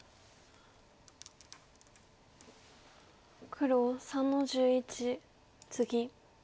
黒３の十一ツギ。